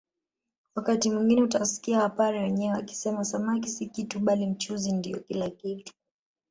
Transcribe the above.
Wakati mwingine utawasikia wapare wenyewe wakisema samaki si kitu bali mchuzi ndio kila kitu